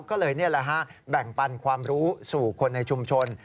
ก็เลยนี่แหละฮะแบ่งปันความรู้สู่คนในชุมชน